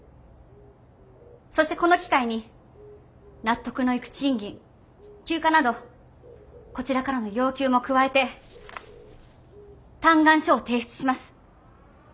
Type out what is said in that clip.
そしてこの機会に納得のいく賃金休暇などこちらからの要求も加えて嘆願書を提出します。